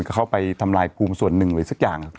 เข้าไปทำลายภูมิส่วนหนึ่งอะไรสักอย่าง